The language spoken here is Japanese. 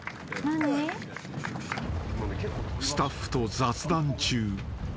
［スタッフと雑談中］